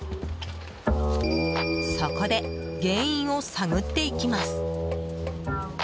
そこで原因を探っていきます。